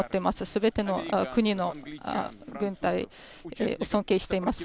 全ての国の軍隊を尊敬しています。